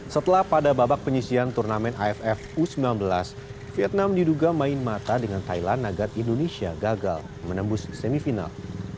setelah pada babak penyisian turnamen aff u sembilan belas vietnam diduga main mata dengan thailand agar indonesia gagal menembus semifinal